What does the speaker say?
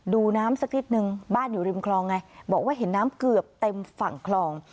ดูน้ำสักนิดนึงบ้านอยู่ริมคลองไงบอกว่าเห็นน้ำเกือบเต็มฝั่งคลอง